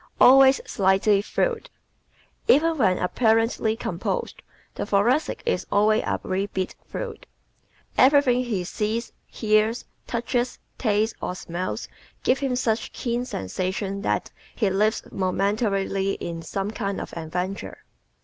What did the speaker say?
Always Slightly Thrilled ¶ Even when apparently composed the Thoracic is always a wee bit thrilled. Everything he sees, hears, touches, tastes or smells gives him such keen sensations that he lives momentarily in some kind of adventure.